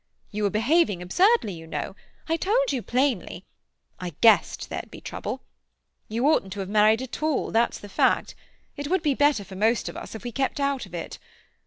You were behaving absurdly, you know; I told you plainly; I guessed there'd be trouble. You oughtn't to have married at all, that's the fact; it would be better for most of us if we kept out of it.